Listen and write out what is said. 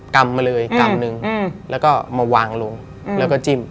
กำมาเลยกำนึงแล้วก็มาวางลงแล้วก็จิ้ม